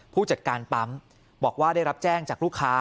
ผู้จัดการปั๊มบอกว่าได้รับแจ้งจากลูกค้า